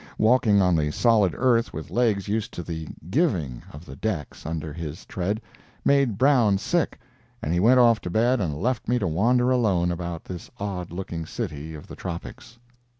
Walking on the solid earth with legs used to the "giving" of the decks under his tread, made Brown sick, and he went off to bed and left me to wander alone about this odd looking city of the tropics.